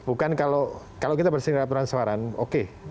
bukan kalau kita bersihkan raturan sewaran oke